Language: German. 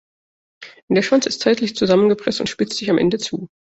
Der Schwanz ist seitlich zusammengepresst und spitzt sich am Ende zu.